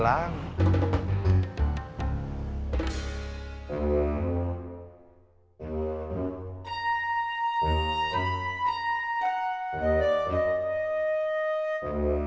aku sadar dan harusi lah